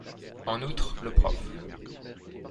En outre, le Prof.